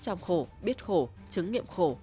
trong khổ biết khổ chứng nghiệm khổ